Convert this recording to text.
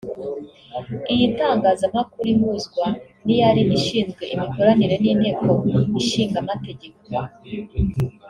iy’itangazamakuru ihuzwa n’iyari ishinzwe imikoranire n’Inteko ishinga Amategeko